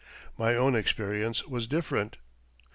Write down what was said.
My own experience was different.